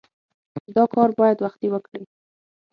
دا کار باید وختي وکړې.